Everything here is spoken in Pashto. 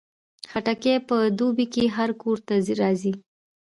خټکی په دوبۍ کې هر کور ته راځي.